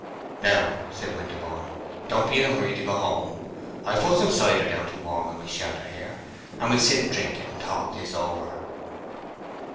"Now," said Winterborne, "don't be in a hurry to go home. I've put some cider down to warm in my shelter here, and we'll sit and drink it and talk this over."